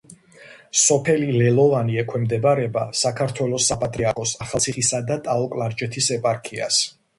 სოფელი ლელოვანი ექვემდებარება საქართველოს საპატრიარქოს ახალციხისა და ტაო-კლარჯეთის ეპარქიას.